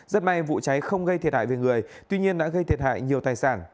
rất may vụ cháy không gây thiệt hại về người tuy nhiên đã gây thiệt hại nhiều tài sản